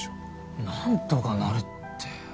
「なんとかなる」って。